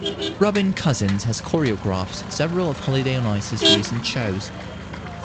Robin Cousins has choreographed several of Holiday on Ice's recent shows.